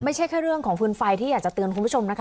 ไม่ใช่แค่เรื่องของฟืนไฟที่อยากจะเตือนคุณผู้ชมนะคะ